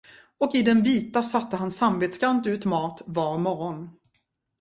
Och i den vita satte han samvetsgrant ut mat var morgon.